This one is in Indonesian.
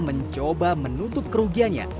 mencoba menutup kerugiannya